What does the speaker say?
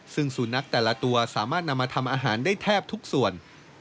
ซึ่งสุนัขแต่ละตัวสามารถนำมาทำอาหารได้แทบทุกส่วน